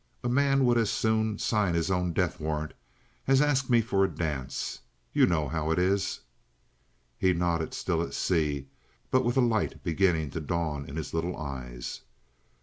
A man would as soon sign his own death warrant as ask me for a dance. You know how it is?" He nodded, still at sea, but with a light beginning to dawn in his little eyes.